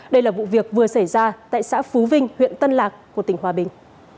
đây là vụ việc vừa xảy ra tại xã phú vinh huyện tân lạc của tỉnh hòa bình